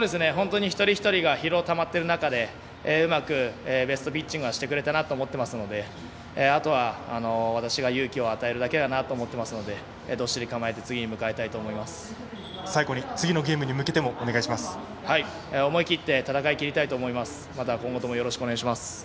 一人一人が疲労がたまっている中でうまくベストピッチングはしてくれたなと思ってますのであとは私が勇気を与えるだけだなと思ってますのでどっしり構えて最後に次のゲームに向けても思い切って戦いきりたいと思います。